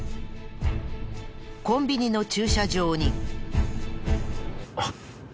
コンビニの駐車場に。